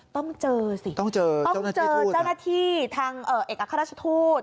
ต้องเจอสิต้องเจอเจ้าหน้าที่ทางเอกราชทูต